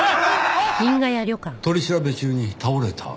取り調べ中に倒れた？